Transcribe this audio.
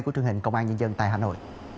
của truyền hình công an nhân dân tại hà nội